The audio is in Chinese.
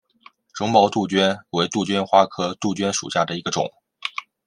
绒毛杜鹃为杜鹃花科杜鹃属下的一个种。